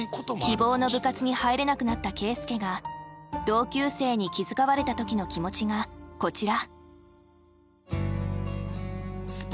希望の部活に入れなくなった圭祐が同級生に気遣われたときの気持ちがこちら。